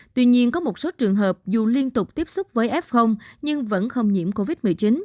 tuy nhiên có một số trường hợp dù liên tục tiếp xúc với f nhưng vẫn không nhiễm covid một mươi chín